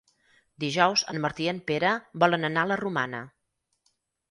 Dijous en Martí i en Pere volen anar a la Romana.